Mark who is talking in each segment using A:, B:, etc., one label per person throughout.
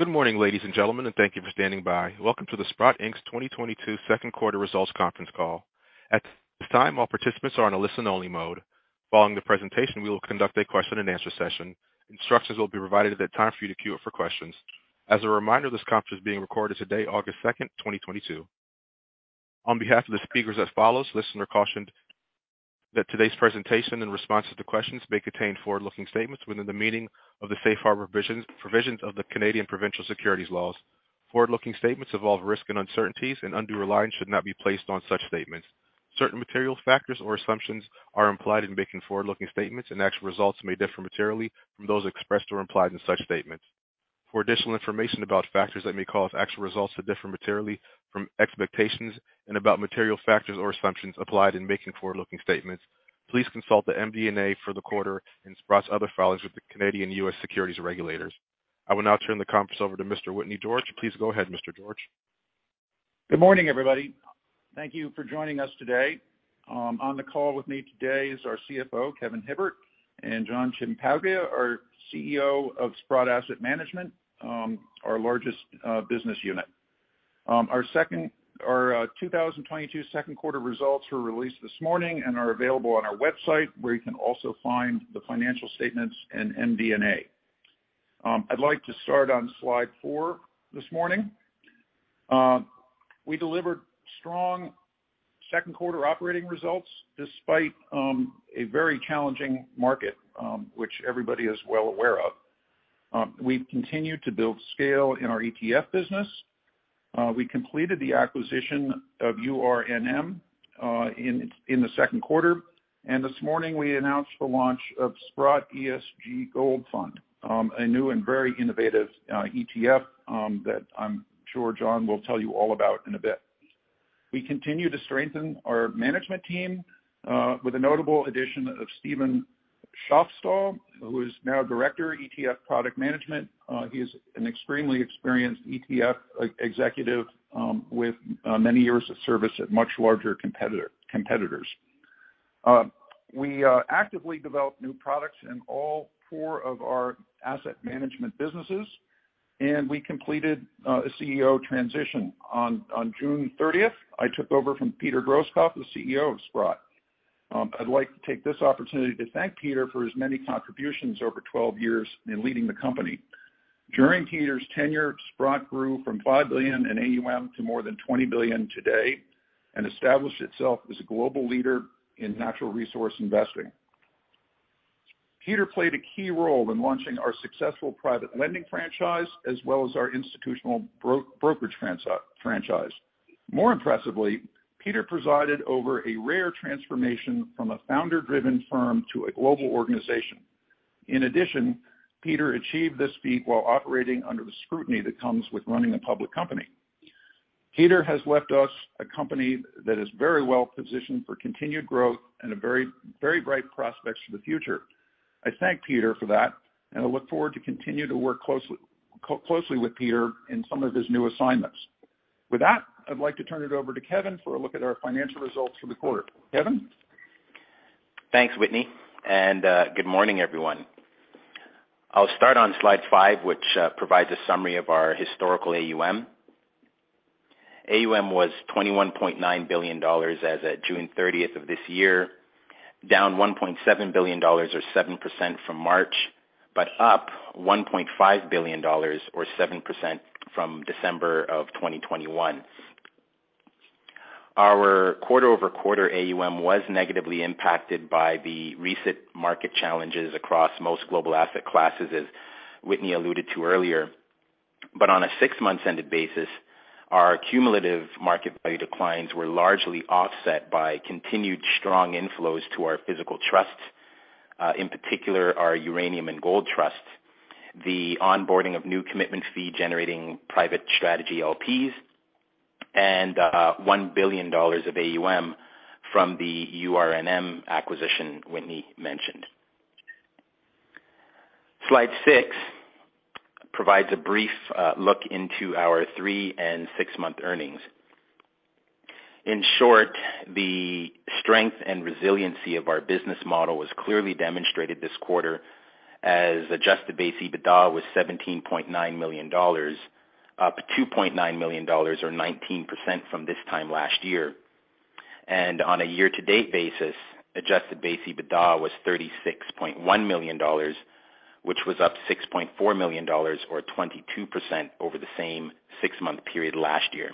A: Good morning, ladies and gentlemen, and thank you for standing by. Welcome to the Sprott Inc.'s 2022 second quarter results conference call. At this time, all participants are on a listen-only mode. Following the presentation, we will conduct a question and answer session. Instructions will be provided at that time for you to queue up for questions. As a reminder, this conference is being recorded today, August 2, 2022. On behalf of the speakers, listeners are cautioned that today's presentation and responses to questions may contain forward-looking statements within the meaning of the safe harbor provisions of the Canadian provincial securities laws. Forward-looking statements involve risk and uncertainties and undue reliance should not be placed on such statements. Certain material factors or assumptions are implied in making forward-looking statements, and actual results may differ materially from those expressed or implied in such statements. For additional information about factors that may cause actual results to differ materially from expectations and about material factors or assumptions applied in making forward-looking statements, please consult the MD&A for the quarter in Sprott's other filings with the Canadian and U.S. securities regulators. I will now turn the conference over to Mr. Whitney George. Please go ahead, Mr. George.
B: Good morning, everybody. Thank you for joining us today. On the call with me today is our CFO, Kevin Hibbert and John Ciampaglia, our CEO of Sprott Asset Management, our largest business unit. Our 2022 second quarter results were released this morning and are available on our website, where you can also find the financial statements and MD&A. I'd like to start on slide four this morning. We delivered strong second quarter operating results despite a very challenging market, which everybody is well aware of. We've continued to build scale in our ETF business. We completed the acquisition of URNM in the second quarter. This morning, we announced the launch of Sprott ESG Gold ETF, a new and very innovative ETF that I'm sure John will tell you all about in a bit. We continue to strengthen our management team with a notable addition of Steve Schoffstall, who is now Director, ETF Product Management. He is an extremely experienced ETF executive with many years of service at much larger competitors. We actively develop new products in all four of our asset management businesses, and we completed a CEO transition. On June thirtieth, I took over from Peter Grosskopf, the CEO of Sprott. I'd like to take this opportunity to thank Peter for his many contributions over 12 years in leading the company. During Peter's tenure, Sprott grew from $5 billion in AUM to more than $20 billion today and established itself as a global leader in natural resource investing. Peter played a key role in launching our successful private lending franchise, as well as our institutional brokerage franchise. More impressively, Peter presided over a rare transformation from a founder-driven firm to a global organization. In addition, Peter achieved this feat while operating under the scrutiny that comes with running a public company. Peter has left us a company that is very well positioned for continued growth and a very, very bright prospects for the future. I thank Peter for that, and I look forward to continue to work closely with Peter in some of his new assignments. With that, I'd like to turn it over to Kevin for a look at our financial results for the quarter. Kevin?
C: Thanks, Whitney, and good morning, everyone. I'll start on slide five, which provides a summary of our historical AUM. AUM was $21.9 billion as at June thirtieth of this year, down $1.7 billion or 7% from March, but up $1.5 billion or 7% from December 2021. Our quarter-over-quarter AUM was negatively impacted by the recent market challenges across most global asset classes, as Whitney alluded to earlier. On a six-month-ended basis, our cumulative market value declines were largely offset by continued strong inflows to our physical trusts, in particular our uranium and gold trusts, the onboarding of new commitment fee generating private strategy LPs, and $1 billion of AUM from the URNM acquisition Whitney mentioned. Slide six provides a brief look into our three- and six-month earnings. In short, the strength and resiliency of our business model was clearly demonstrated this quarter as adjusted base EBITDA was $17.9 million, up $2.9 million or 19% from this time last year. On a year-to-date basis, adjusted base EBITDA was $36.1 million, which was up $6.4 million or 22% over the same six-month period last year.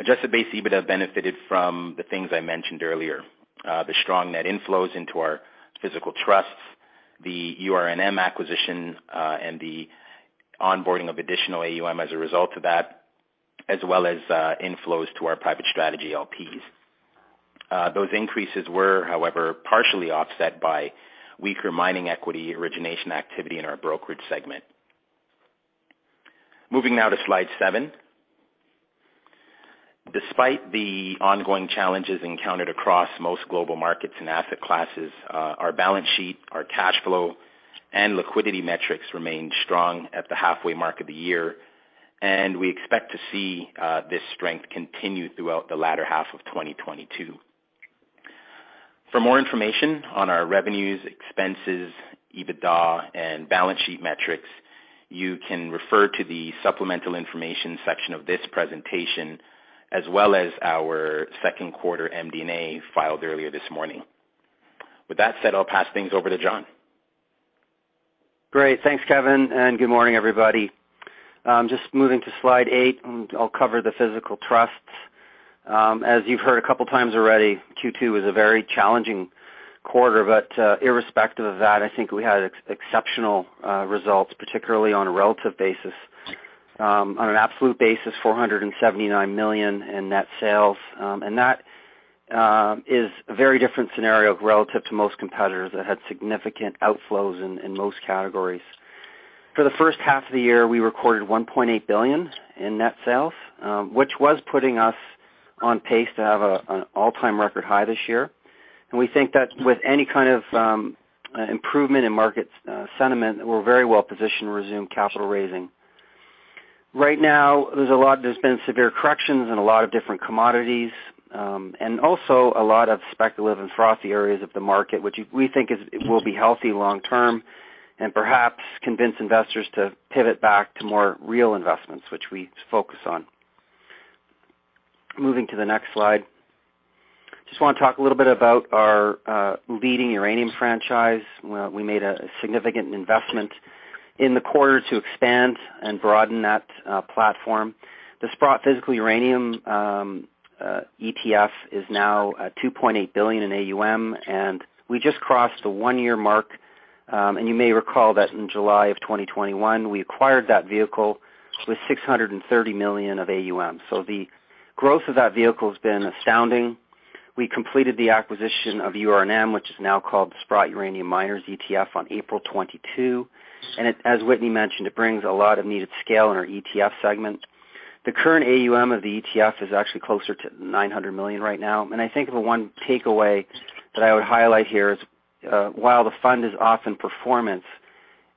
C: Adjusted base EBITDA benefited from the things I mentioned earlier. The strong net inflows into our physical trusts, the URNM acquisition, and the onboarding of additional AUM as a result of that, as well as inflows to our private strategy LPs. Those increases were, however, partially offset by weaker mining equity origination activity in our brokerage segment. Moving now to slide seven. Despite the ongoing challenges encountered across most global markets and asset classes, our balance sheet, our cash flow, and liquidity metrics remain strong at the halfway mark of the year, and we expect to see this strength continue throughout the latter half of 2022. For more information on our revenues, expenses, EBITDA, and balance sheet metrics, you can refer to the supplemental information section of this presentation, as well as our second quarter MD&A filed earlier this morning. With that said, I'll pass things over to John.
D: Great. Thanks, Kevin, and good morning, everybody. Just moving to slide eight, and I'll cover the physical trusts. As you've heard a couple of times already, Q2 was a very challenging quarter, but irrespective of that, I think we had exceptional results, particularly on a relative basis. On an absolute basis, $479 million in net sales. That is a very different scenario relative to most competitors that had significant outflows in most categories. For the first half of the year, we recorded $1.8 billion in net sales, which was putting us on pace to have an all-time record high this year. We think that with any kind of improvement in market sentiment, we're very well positioned to resume capital raising. Right now, there's been severe corrections in a lot of different commodities, and also a lot of speculative and frothy areas of the market, which we think will be healthy long term, and perhaps convince investors to pivot back to more real investments, which we focus on. Moving to the next slide. Just wanna talk a little bit about our leading uranium franchise, where we made a significant investment in the quarter to expand and broaden that platform. The Sprott Physical Uranium Trust is now at $2.8 billion in AUM, and we just crossed the one-year mark. And you may recall that in July of 2021, we acquired that vehicle with $630 million of AUM. The growth of that vehicle has been astounding. We completed the acquisition of URNM, which is now called the Sprott Uranium Miners ETF on April 22. As Whitney mentioned, it brings a lot of needed scale in our ETF segment. The current AUM of the ETF is actually closer to $900 million right now. I think the one takeaway that I would highlight here is while the fund is off in performance,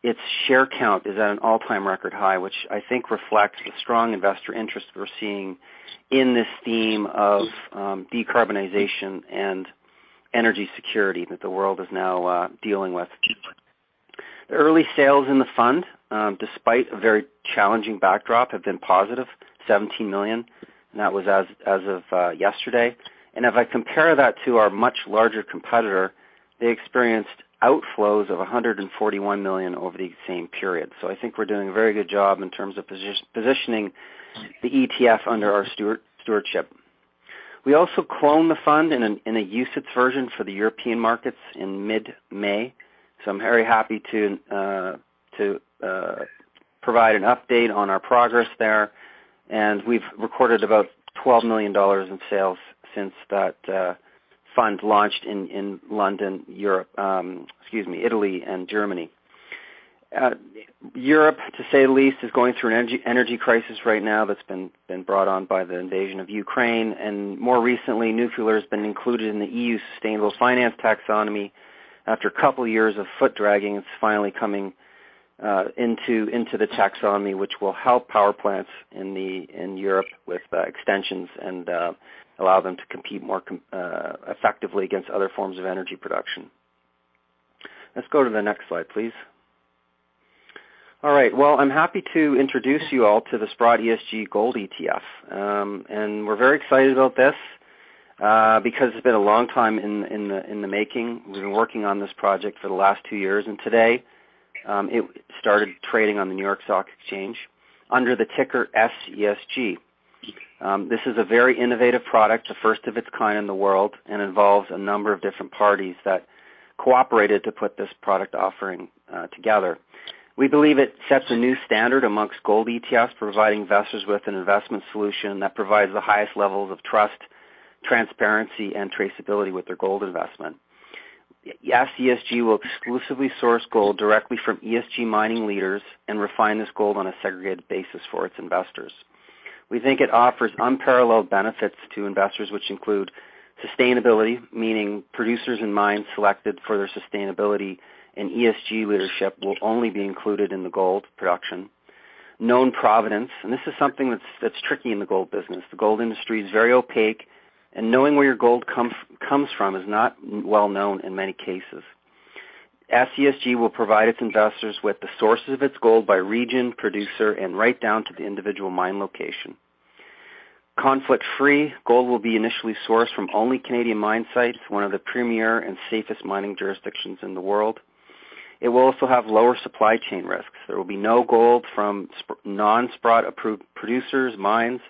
D: its share count is at an all-time record high, which I think reflects the strong investor interest we're seeing in this theme of decarbonization and energy security that the world is now dealing with. Early sales in the fund, despite a very challenging backdrop, have been positive $17 million, and that was as of yesterday. If I compare that to our much larger competitor, they experienced outflows of $141 million over the same period. I think we're doing a very good job in terms of positioning the ETF under our stewardship. We also cloned the fund in a UCITS version for the European markets in mid-May. I'm very happy to provide an update on our progress there. We've recorded about $12 million in sales since that fund launched in Italy and Germany. Europe, to say the least, is going through an energy crisis right now that's been brought on by the invasion of Ukraine. More recently, nuclear has been included in the E.U. Sustainable Finance Taxonomy. After a couple of years of foot dragging, it's finally coming into the taxonomy, which will help power plants in Europe with extensions and allow them to compete more effectively against other forms of energy production. Let's go to the next slide, please. All right. Well, I'm happy to introduce you all to the Sprott ESG Gold ETF. We're very excited about this because it's been a long time in the making. We've been working on this project for the last two years, and today, it started trading on the New York Stock Exchange under the ticker SESG. This is a very innovative product, the first of its kind in the world, and involves a number of different parties that cooperated to put this product offering together. We believe it sets a new standard among gold ETFs, providing investors with an investment solution that provides the highest levels of trust, transparency, and traceability with their gold investment. SESG will exclusively source gold directly from ESG mining leaders and refine this gold on a segregated basis for its investors. We think it offers unparalleled benefits to investors, which include sustainability, meaning producers and mines selected for their sustainability and ESG leadership will only be included in the gold production. Known provenance, and this is something that's tricky in the gold business. The gold industry is very opaque, and knowing where your gold comes from is not well known in many cases. SESG will provide its investors with the sources of its gold by region, producer, and right down to the individual mine location. Conflict free. Gold will be initially sourced from only Canadian mine sites, one of the premier and safest mining jurisdictions in the world. It will also have lower supply chain risks. There will be no gold from Sprott non-Sprott-approved producers, mines,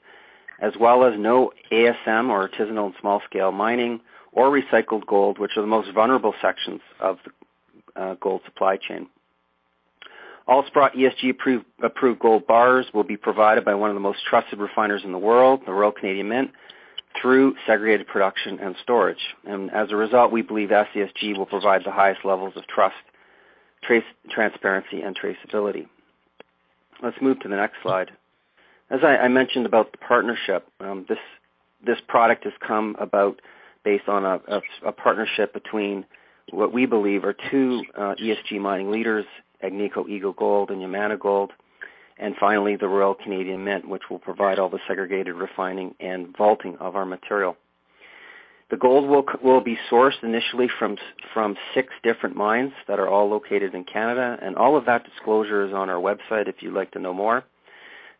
D: as well as no ASM or artisanal and small scale mining or recycled gold, which are the most vulnerable sections of the gold supply chain. All Sprott ESG-approved gold bars will be provided by one of the most trusted refiners in the world, the Royal Canadian Mint, through segregated production and storage. As a result, we believe SESG will provide the highest levels of trust, transparency, and traceability. Let's move to the next slide. As I mentioned about the partnership, this product has come about based on a partnership between what we believe are two ESG mining leaders, Agnico Eagle Mines and Yamana Gold. Finally, the Royal Canadian Mint, which will provide all the segregated refining and vaulting of our material. The gold will be sourced initially from six different mines that are all located in Canada, and all of that disclosure is on our website if you'd like to know more.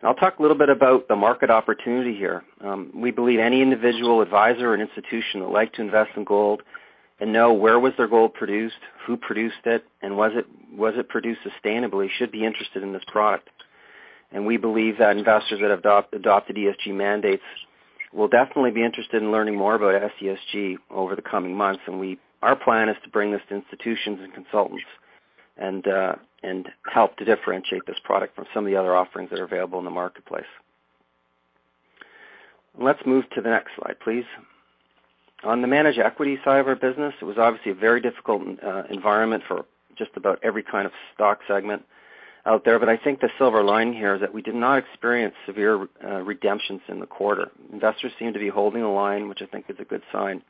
D: I'll talk a little bit about the market opportunity here. We believe any individual, advisor or institution that like to invest in gold and know where was their gold produced, who produced it, and was it produced sustainably, should be interested in this product. We believe that investors that adopted ESG mandates will definitely be interested in learning more about SESG over the coming months. Our plan is to bring this to institutions and consultants and help to differentiate this product from some of the other offerings that are available in the marketplace. Let's move to the next slide, please. On the managed equity side of our business, it was obviously a very difficult environment for just about every kind of stock segment out there, but I think the silver line here is that we did not experience severe redemptions in the quarter. Investors seem to be holding the line, which I think is a good sign.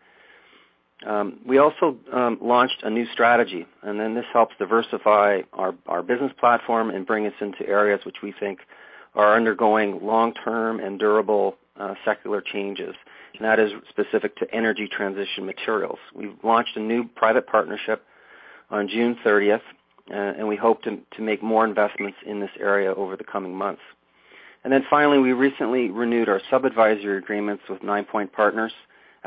D: We also launched a new strategy, and then this helps diversify our business platform and bring us into areas which we think are undergoing long-term and durable secular changes, and that is specific to energy transition materials. We've launched a new private partnership on June 30, and we hope to make more investments in this area over the coming months. Finally, we recently renewed our sub-advisory agreements with Ninepoint Partners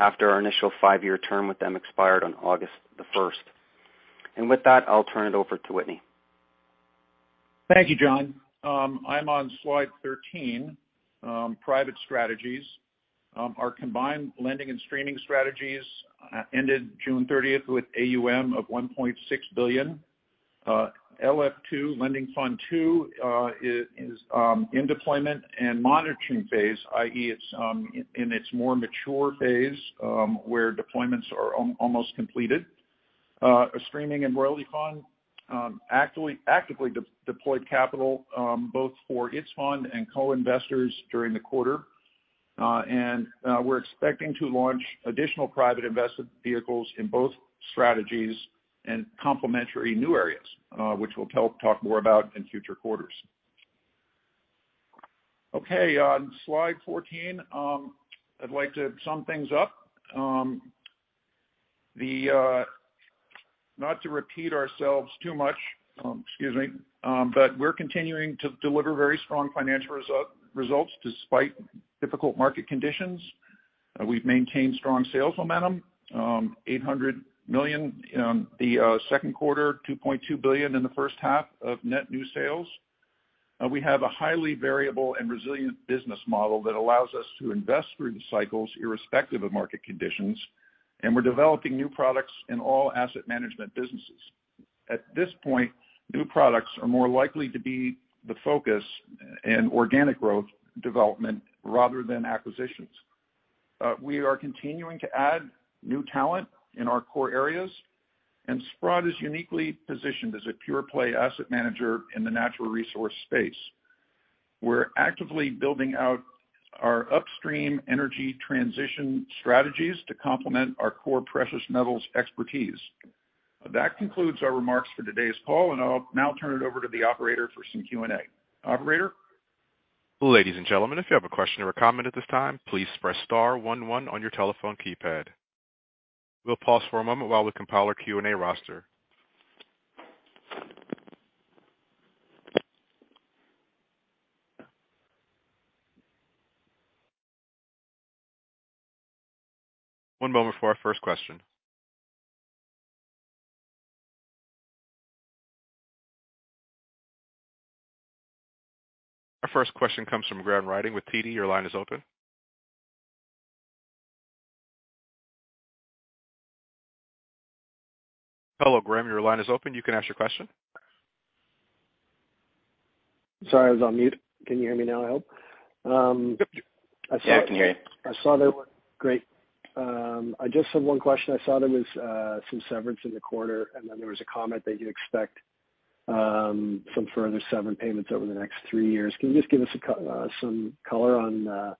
D: after our initial five-year term with them expired on August 1. With that, I'll turn it over to Whitney.
B: Thank you, John. I'm on slide 13, private strategies. Our combined lending and streaming strategies ended June 30 with AUM of $1.6 billion. LF 2, lending fund 2, is in deployment and monitoring phase, i.e., it's in its more mature phase, where deployments are almost completed. A streaming and royalty fund actively deployed capital both for its fund and co-investors during the quarter. We're expecting to launch additional private investment vehicles in both strategies and complementary new areas, which we'll talk more about in future quarters. Okay, on slide 14, I'd like to sum things up. Not to repeat ourselves too much, excuse me, but we're continuing to deliver very strong financial results despite difficult market conditions. We've maintained strong sales momentum, $800 million in the second quarter, $2.2 billion in the first half of net new sales. We have a highly variable and resilient business model that allows us to invest through the cycles irrespective of market conditions. We're developing new products in all asset management businesses. At this point, new products are more likely to be the focus in organic growth development rather than acquisitions. We are continuing to add new talent in our core areas, and Sprott is uniquely positioned as a pure play asset manager in the natural resource space. We're actively building out our upstream energy transition strategies to complement our core precious metals expertise. That concludes our remarks for today's call, and I'll now turn it over to the operator for some Q&A. Operator?
A: Ladies and gentlemen, if you have a question or a comment at this time, pleaseapress star one one on your telephone keypad. We'll pause for a moment while we compile our Q&A roster. One moment for our first question. Our first question comes from Graham Ryding with TD. Your line is open. Hello, Graham. Your line is open. You can ask your question.
E: Sorry, I was on mute. Can you hear me now, I hope?
D: Yeah, I can hear you.
E: Great. I just have one question. I saw there was some severance in the quarter, and then there was a comment that you expect some further severance payments over the next three years. Can you just give us some color on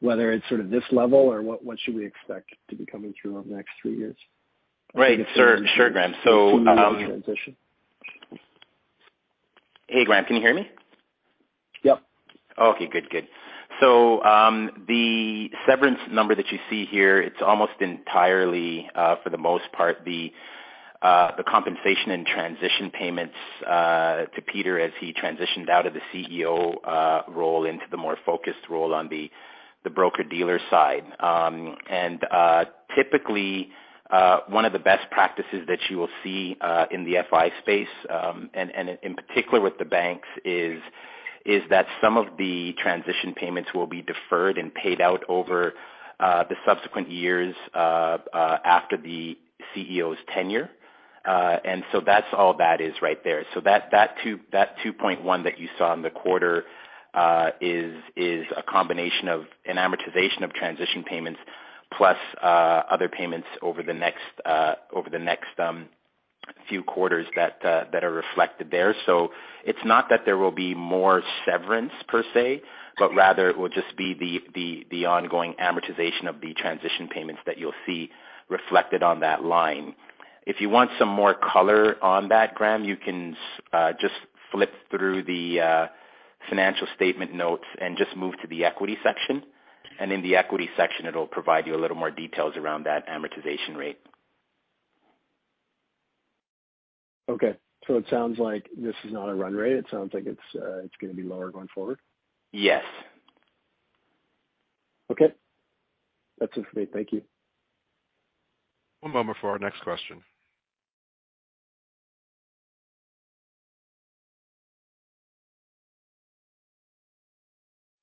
E: whether it's sort of this level or what should we expect to be coming through over the next three years?
D: Right. Sure, sure, Graham.
E: Transition.
D: Hey, Graham, can you hear me?
E: Yep.
D: Okay, good. Good. The severance number that you see here, it's almost entirely, for the most part, the compensation and transition payments to Peter as he transitioned out of the CEO role into the more focused role on the broker-dealer side. Typically, one of the best practices that you will see in the FI space and in particular with the banks is that some of the transition payments will be deferred and paid out over the subsequent years after the CEO's tenure. That's all that is right there. That $2.1 that you saw in the quarter is a combination of an amortization of transition payments plus other payments over the next few quarters that are reflected there. It's not that there will be more severance per se, but rather it will just be the ongoing amortization of the transition payments that you'll see reflected on that line.
C: If you want some more color on that, Graham, you can just flip through the financial statement notes and just move to the equity section. In the equity section, it'll provide you a little more details around that amortization rate.
E: Okay. It sounds like this is not a run rate. It sounds like it's gonna be lower going forward.
C: Yes.
E: Okay. That's it for me. Thank you.
A: One moment for our next question.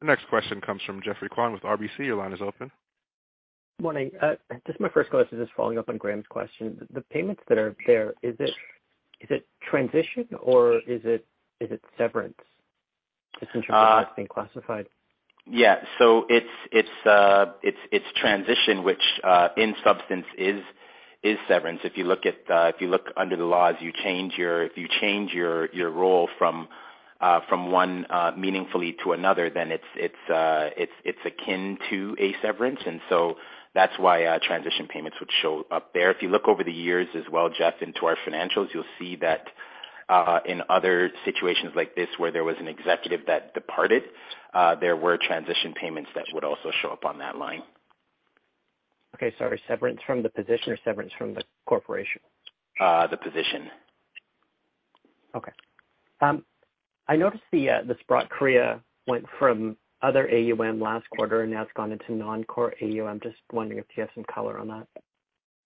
A: The next question comes from Geoffrey Kwan with RBC. Your line is open.
F: Morning. Just my first question is just following up on Graham's question. The payments that are there, is it transition or is it severance, just in terms of how it's being classified?
C: It's transition which in substance is severance. If you look under the laws, you change your role from one meaningfully to another, then it's akin to a severance. That's why transition payments would show up there. If you look over the years as well, Jeff, into our financials, you'll see that in other situations like this where there was an executive that departed, there were transition payments that would also show up on that line.
F: Okay. Sorry, severance from the position or severance from the corporation?
C: The position.
F: Okay. I noticed the Sprott Korea went from other AUM last quarter and now it's gone into non-core AUM. Just wondering if you have some color on that.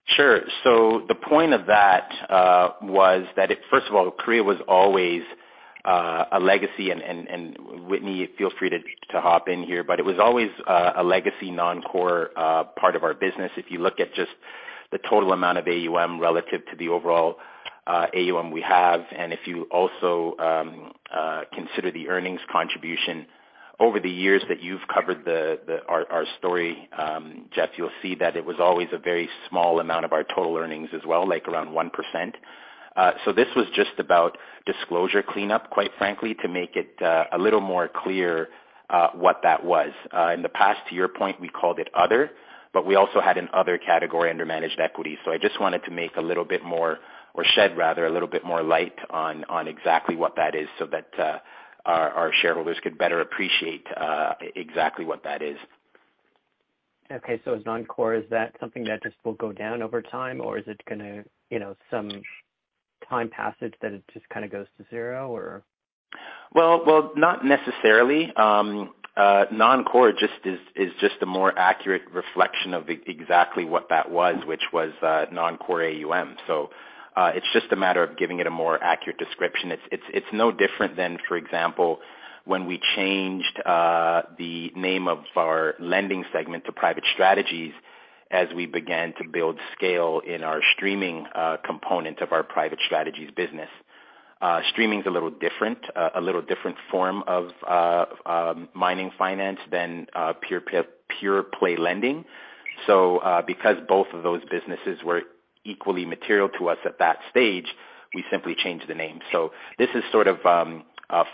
C: Sure. The point of that was that. First of all, Korea was always a legacy and Whitney, feel free to hop in here, but it was always a legacy non-core part of our business. If you look at just the total amount of AUM relative to the overall AUM we have. If you also consider the earnings contribution over the years that you've covered our story, Jeff, you'll see that it was always a very small amount of our total earnings as well, like around 1%. This was just about disclosure cleanup, quite frankly, to make it a little more clear what that was. In the past, to your point, we called it other, but we also had an other category under managed equity. I just wanted to shed, rather, a little bit more light on exactly what that is so that our shareholders could better appreciate exactly what that is.
F: Okay. As non-core, is that something that just will go down over time, or is it gonna, you know, some time passage that it just kinda goes to zero or?
C: Well, not necessarily. Non-core just is a more accurate reflection of exactly what that was, which was non-core AUM. It's just a matter of giving it a more accurate description. It's no different than, for example, when we changed the name of our lending segment to private strategies as we began to build scale in our streaming component of our private strategies business. Streaming's a little different form of mining finance than pure play lending. Because both of those businesses were equally material to us at that stage, we simply changed the name. This is sort of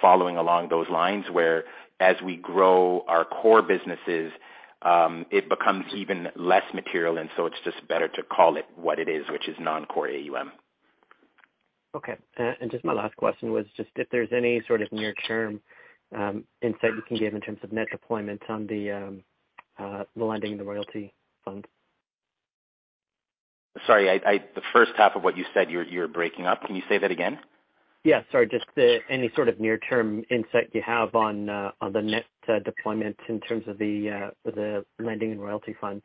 C: following along those lines, whereas we grow our core businesses, it becomes even less material, and so it's just better to call it what it is, which is non-core AUM.
F: Okay. Just my last question was just if there's any sort of near-term insight you can give in terms of net deployments on the lending and the royalty funds?
C: Sorry, the first half of what you said, you're breaking up. Can you say that again?
F: Yeah, sorry. Just any sort of near-term insight you have on the net deployments in terms of the lending and royalty funds?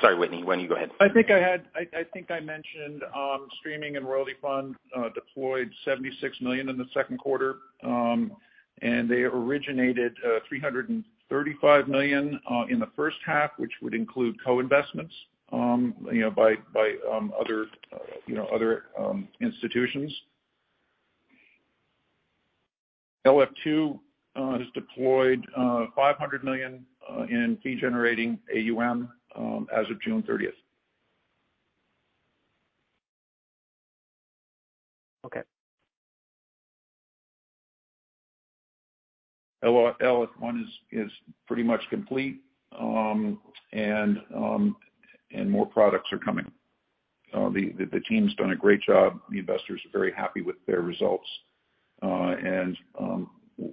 C: Sorry, Whitney, why don't you go ahead?
B: I think I mentioned streaming and royalty funds deployed $76 million in the second quarter. They originated $335 million in the first half, which would include co-investments you know by other institutions. LF two has deployed $500 million in fee generating AUM as of June 30.
F: Okay.
B: LF one is pretty much complete. More products are coming. The team's done a great job. The investors are very happy with their results, and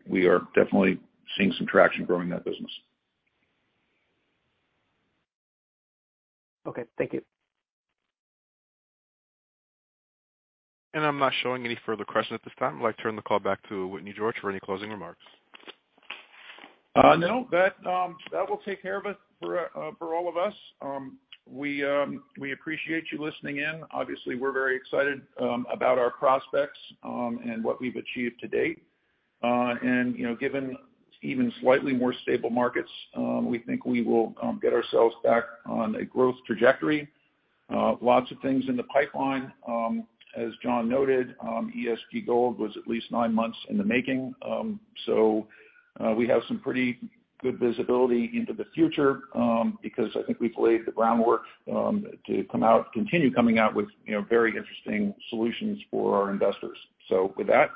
B: we are definitely seeing some traction growing that business.
F: Okay. Thank you.
A: I'm not showing any further questions at this time. I'd like to turn the call back to Whitney George for any closing remarks.
B: No, that will take care of it for all of us. We appreciate you listening in. Obviously, we're very excited about our prospects and what we've achieved to date. You know, given even slightly more stable markets, we think we will get ourselves back on a growth trajectory. Lots of things in the pipeline. As John noted, ESG Gold was at least nine months in the making. We have some pretty good visibility into the future because I think we've laid the groundwork to continue coming out with, you know, very interesting solutions for our investors. With that,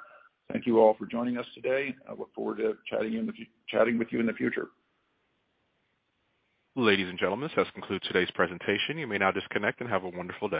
B: thank you all for joining us today. I look forward to chatting with you in the future.
A: Ladies and gentlemen, this has concluded today's presentation. You may now disconnect and have a wonderful day.